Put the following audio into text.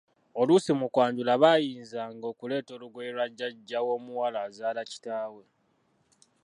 Oluusi mu kwanjula baayinzanga okuleeta olugoye lwa Jjajja w’omuwala azaala kitaawe.